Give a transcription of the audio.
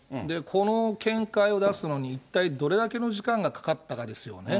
この見解を出すのに一体どれだけの時間がかかったかですよね。